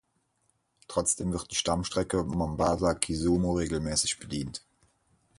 Trotzdem wird die Stammstrecke Mombasa–Kisumu regelmäßig bedient.